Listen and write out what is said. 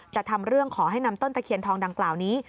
ทำเรื่องขอให้นำต้นตะเคียนทองดังกล่าวนี้